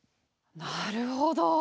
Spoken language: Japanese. なるほど！